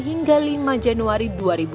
hingga lima januari dua ribu delapan belas